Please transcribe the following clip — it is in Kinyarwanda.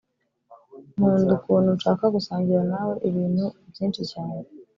nkunda ukuntu nshaka gusangira nawe ibintu byinshi cyane.